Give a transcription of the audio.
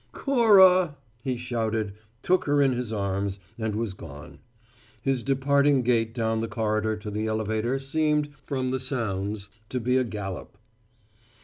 "Cora!" he shouted, took her in his arms, and was gone. His departing gait down the corridor to the elevator seemed, from the sounds, to be a gallop.